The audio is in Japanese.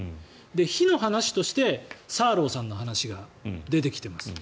否定の話としてサーローさんの話が出てきています。